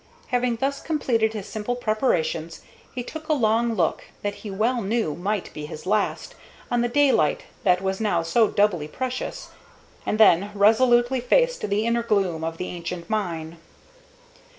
Having thus completed his simple preparations, he took a long look, that he well knew might be his last, on the daylight that was now so doubly precious, and then resolutely faced the inner gloom of the ancient mine.